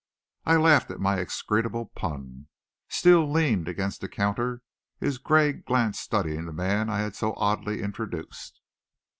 I laughed at my execrable pun. Steele leaned against the counter, his gray glance studying the man I had so oddly introduced.